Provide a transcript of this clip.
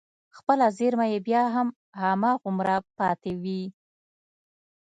خپله زېرمه يې بيا هم هماغومره پاتې وي.